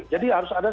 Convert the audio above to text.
jadi harus ada